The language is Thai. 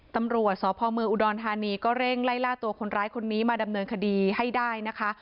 ตำรวจสพเมืองอุดรธานีก็เร่งไล่ล่าตัวคนร้ายคนนี้มาดำเนินคดีให้ได้นะคะ